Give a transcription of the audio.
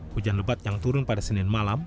hujan lebat yang turun pada senin malam